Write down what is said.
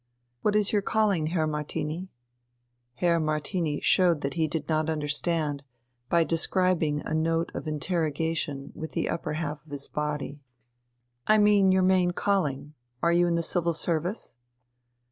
What is your calling, Herr Martini?" Herr Martini showed that he did not understand, by describing a note of interrogation with the upper half of his body. "I mean your main calling. Are you in the Civil Service?"